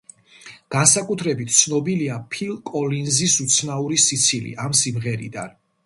განსაკუთრებით ცნობილია ფილ კოლინზის უცნაური სიცილი ამ სიმღერიდან.